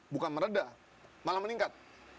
bukan meredah malah meningkat